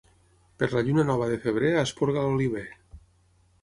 Per la lluna nova de febrer esporga l'oliver.